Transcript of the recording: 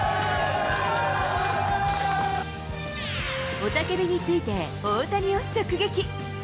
雄たけびについて、大谷を直撃。